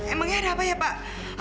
emangnya ada apa ya pak